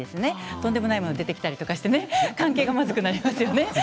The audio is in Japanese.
とんでもないものが出てきたりして関係が、まずくなりますよね。